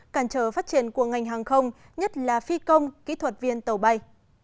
cản trở phát triển của ngành hàng không nhất là phi công kỹ thuật viên tàu bay